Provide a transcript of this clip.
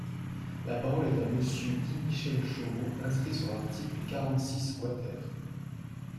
La parole est à Monsieur Guy-Michel Chauveau, inscrit sur l’article quarante-six quater.